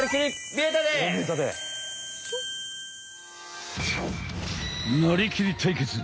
なりきり対決！